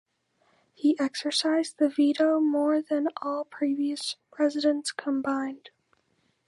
He exercised the veto more than all previous presidents combined.